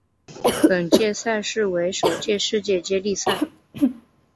本届赛事为首届世界接力赛。